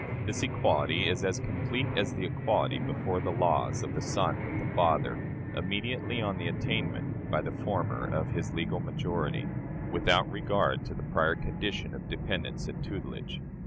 This equality is as complete as the equality, before the laws, of the son with the father, immediately on the attainment by the former of his legal majority, without regard to the prior condition of dependence and tutelage.